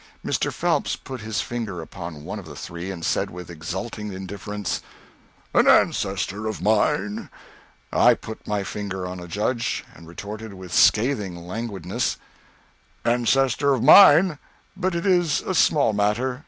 Mr. Phelps put his finger upon one of the three, and said with exulting indifference "An ancestor of mine." I put my finger on a judge, and retorted with scathing languidness "Ancestor of mine. But it is a small matter.